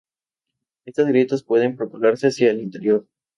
Estas grietas pueden propagarse hacia el interior.